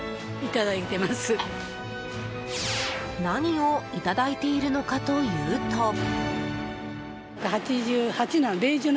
何をいただいているのかというと。